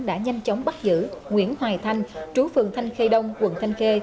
đã nhanh chóng bắt giữ nguyễn hoài thanh chú phường thanh khê đông quận thanh khê